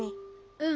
うん。